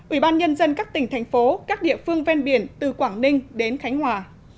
ủy ban nhân dân các tỉnh thành phố các địa phương ven biển từ quảng ninh đến khánh hòa